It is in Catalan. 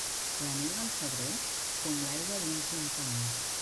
La neu del febrer, com l'aigua dins d'un paner.